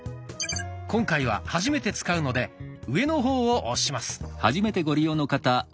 今回は初めて使うので上の方を押します。